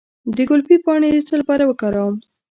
د ګلپي پاڼې د څه لپاره وکاروم؟